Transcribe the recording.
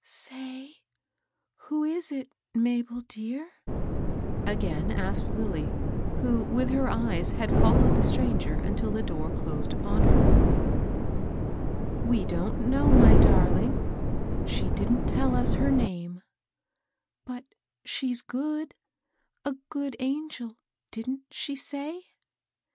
" Say, who is it, Mabel dear ?" again asked Lilly, who, with her eyes, had followed the stranger until the door closed upon her. " We don't know, my darling ; she didn't tell OS her name." VISITOR OF THE FIRST FLOOR LODGER. 287 " But she's good; — a good angel, didn't she say?"